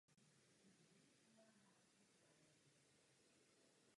Byly povoleny politické strany.